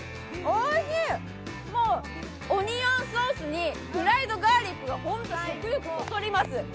オニオンソースにフライドガーリックが食欲をそそります。